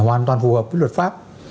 hoàn toàn phù hợp với luật pháp